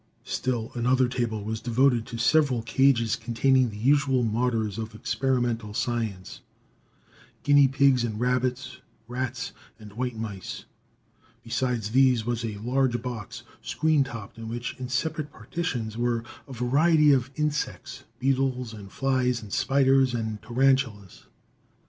Still another table was devoted to several cages, containing the usual martyrs of experimental science: guinea pigs and rabbits, rats and white mice. Beside these was a large box, screen topped, in which, in separate partitions, were a variety of insects: beetles and flies and spiders and tarantulas.